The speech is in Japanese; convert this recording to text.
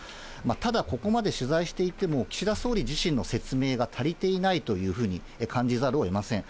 ただ、ここまで取材していても、岸田総理自身の説明が足りていないというふうに感じざるをえません。